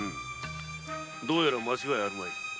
どうやら間違いあるまい。